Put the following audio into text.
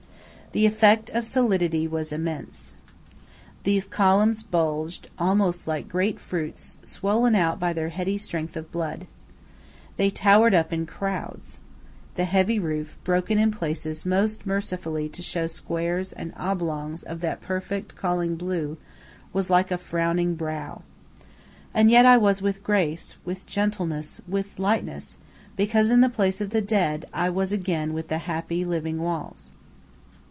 The effect of solidity was immense. These columns bulged, almost like great fruits swollen out by their heady strength of blood. They towered up in crowds. The heavy roof, broken in places most mercifully to show squares and oblongs of that perfect, calling blue, was like a frowning brow. And yet I was with grace, with gentleness, with lightness, because in the place of the dead I was again with the happy, living walls.